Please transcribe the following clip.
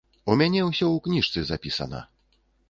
У мяне ўсё ў кніжцы запісана.